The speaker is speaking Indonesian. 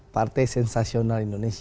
partai sensasional indonesia